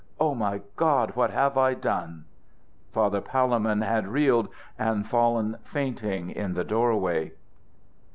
Oh, my God! what have I done?" Father Palemon had reeled and fallen fainting in the door way.